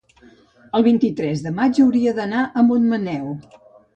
el vint-i-tres de maig hauria d'anar a Montmaneu.